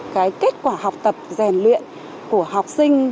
cái kết quả học tập rèn luyện của học sinh